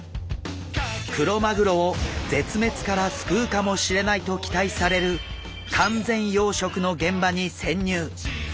クロマグロを絶滅から救うかもしれないと期待される完全養殖の現場に潜入。